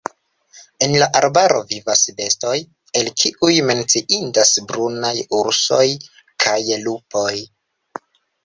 En la arbaro vivas bestoj, el kiuj menciindas brunaj ursoj kaj lupoj.